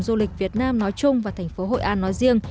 du lịch việt nam nói chung và thành phố hội an nói riêng